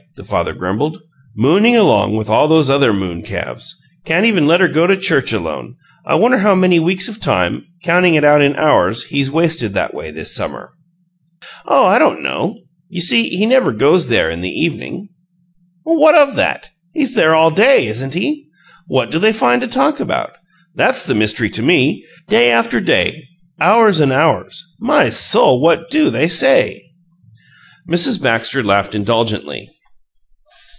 the father grumbled. "Mooning along with those other moon calves can't even let her go to church alone! I wonder how many weeks of time, counting it out in hours, he's wasted that way this summer?" "Oh, I don't know! You see, he never goes there in the evening." "What of that? He's there all day, isn't he? What do they find to talk about? That's the mystery to me! Day after day; hours and hours My soul! What do they SAY?" Mrs. Baxter laughed indulgently.